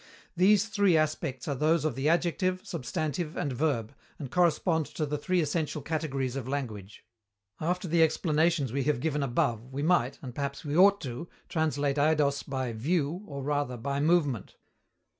_These three aspects are those of the adjective, substantive and verb, and correspond to the three essential categories of language._ After the explanations we have given above, we might, and perhaps we ought to, translate [Greek: eidos] by "view" or rather by "moment."